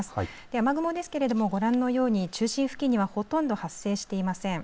雨雲ですけれどもご覧のように中心付近にはほとんど発生していません。